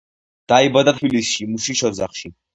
დაიბადა თბილისში, მუშის ოჯახში.